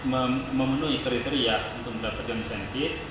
memenuhi kriteria untuk mendapatkan insentif